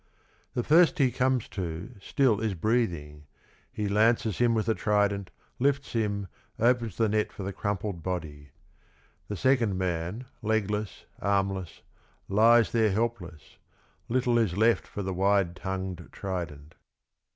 The first he comes to still is breathing. He lances him with the trident, lifts him, opens the net for the crumpled body. The second man, legless, armless, lies there helpless. Little is left for the wide tongued trident.